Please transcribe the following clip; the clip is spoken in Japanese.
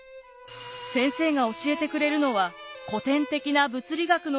先生が教えてくれるのは古典的な物理学の理論ばかり。